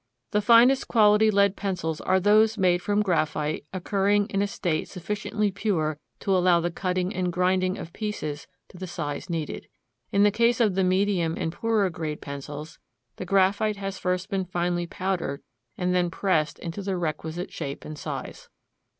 The finest quality lead pencils are those made from graphite occurring in a state sufficiently pure to allow the cutting and grinding of pieces to the size needed. In the case of the medium and poorer grade pencils, the graphite has first been finely powdered and then pressed into the requisite shape and size.